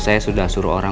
gak tidur disana